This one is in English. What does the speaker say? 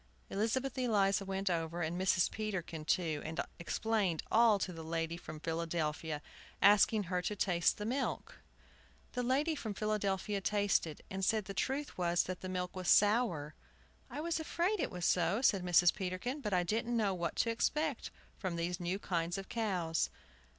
Elizabeth Eliza went over, and Mrs. Peterkin too, and explained all to the lady from Philadelphia, asking her to taste the milk. The lady from Philadelphia tasted, and said the truth was that the milk was sour! "I was afraid it was so," said Mrs. Peterkin; "but I didn't know what to expect from these new kinds of cows."